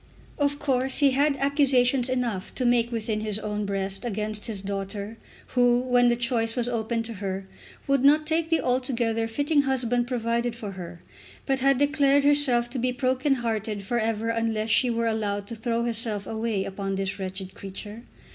Of course he had accusations enough to make within his own breast against his daughter, who, when the choice was open to her, would not take the altogether fitting husband provided for her, but had declared herself to be broken hearted for ever unless she were allowed to throw herself away upon this wretched creature.